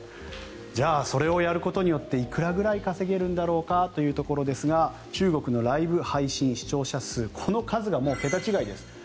じゃあ、それをやることによっていくらぐらい稼げるんだろうかというところですが中国のライブ配信視聴者数この数が桁違いです。